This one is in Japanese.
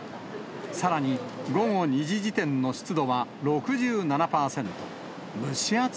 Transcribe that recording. さらに、午後２時時点の湿度は６７％。